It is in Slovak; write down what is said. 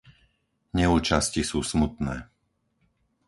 Neúčasti sú smutné.